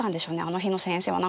あの日の先生は。